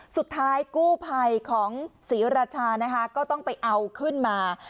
สุดท้ายกู้ภัยของศรีราชานะคะก็ต้องไปเอาขึ้นมา